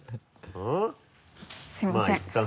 すみません。